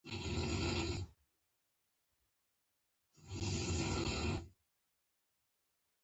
موږ ته به سا ه راوړي، خندا به راوړي؟